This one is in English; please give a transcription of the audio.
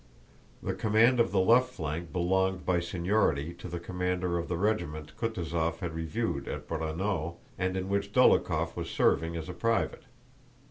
The command of the left flank belonged by seniority to the commander of the regiment Kutúzov had reviewed at Braunau and in which Dólokhov was serving as a private.